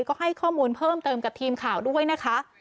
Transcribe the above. ก็ให้ข้อมูลเพิ่มเติมกับทีมข่าวด้วยนะคะ